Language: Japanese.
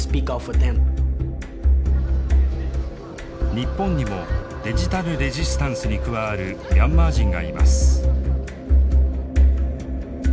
日本にもデジタル・レジスタンスに加わるミャンマー人がいます。